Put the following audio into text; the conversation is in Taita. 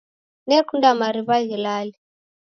Nekunda mariw'a ghilale.